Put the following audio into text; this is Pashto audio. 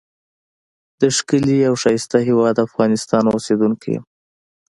دښکلی او ښایسته هیواد افغانستان اوسیدونکی یم.